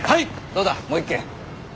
どうだもう一軒。